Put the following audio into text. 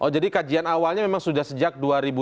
jadi kajian awalnya memang sudah sejak dua ribu lima belas